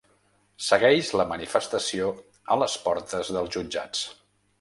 Segueix la manifestació a les portes dels jutjats.